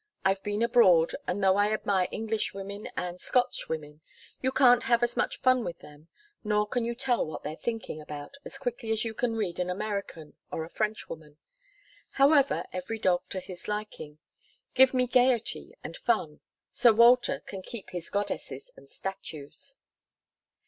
I've been abroad, and though I admire Englishwomen and Scotchwomen, you can't have as much fun with them, nor can you tell what they're thinking about as quickly as you can read an American or a Frenchwoman. However, every dog to his liking. Give me gaiety and fun Sir Walter can keep his goddesses and statues.